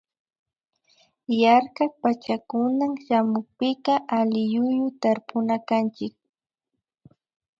Yarkak pachacunan shamunpika alliyuyu tarpunakanchik